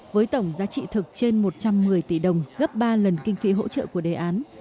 với tổng giá trị thực trên một trăm một mươi tỷ đồng gấp ba lần kinh phí hỗ trợ của đề án